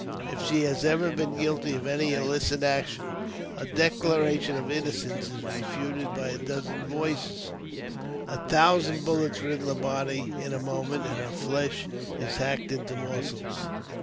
If she has ever been guilty of any illicit action, her declaration of innocence is refuted by a dozen voices, a thou sand bullets riddle her body in a moment, and her flesh is hacked into morsels.